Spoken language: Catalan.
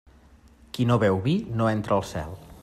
Qui no beu vi no entra al cel.